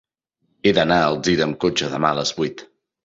He d'anar a Alzira amb cotxe demà a les vuit.